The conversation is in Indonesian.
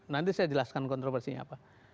nanti saya jelaskan kontroversinya apa